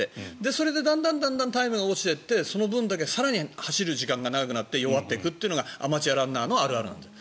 それでだんだんタイムが落ちてってその分だけ更に走る時間が長くなって弱っていくというのがアマチュアランナーのあるあるなんだよ。